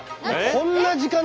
こんな時間だ。